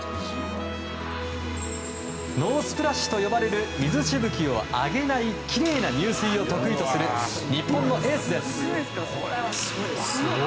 ノースプラッシュと呼ばれる水しぶきを上げないきれいな入水を得意とする日本のエースです。